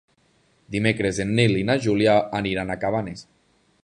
Dimecres en Nil i na Júlia aniran a Cabanes.